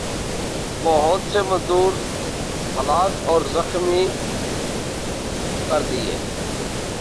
ہت سے مزدور ہلاک اور زخمی کر دے